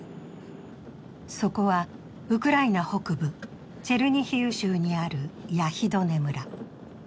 そこはウクライナ北部チェルニヒウ州にあるヤヒドネ村。